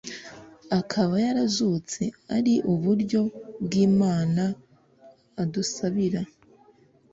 akaba yarazutse, ari iburyo bw'Imana, adusabira